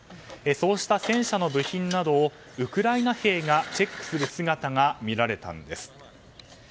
そうした戦車の部品などをウクライナ兵がチェックする姿が見られたんです。